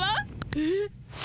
えっ？